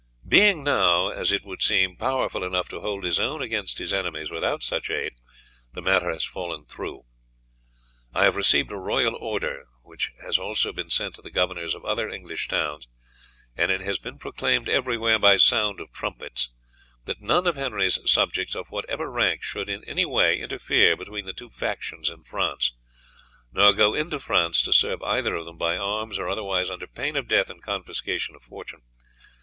Being now, as it would seem, powerful enough to hold his own against his enemies without such aid, the matter has fallen through. I have received a royal order, which has also been sent to the governors of other English towns, and it has been proclaimed everywhere by sound of trumpets, that none of Henry's subjects of whatever rank should in any way interfere between the two factions in France, nor go into France to serve either of them by arms or otherwise under pain of death and confiscation of fortune.